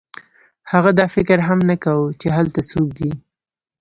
هغه دا فکر هم نه کاوه چې هلته څوک دی